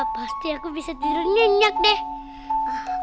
pasti aku bisa tidur nyenyak deh